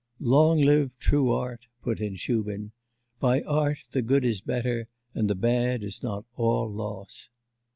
'Long live true art!' put in Shubin. 'By art the good is better and the bad is not all loss!